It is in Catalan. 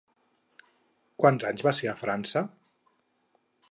Quants anys va ser a França?